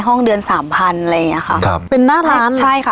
ห้องเดือนสามพันอะไรอย่างเงี้ยค่ะครับเป็นน่ารักใช่ค่ะ